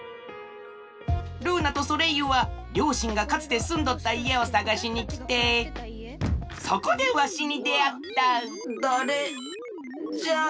ルーナとソレイユはりょうしんがかつてすんどったいえをさがしにきてそこでわしにであっただれじゃ？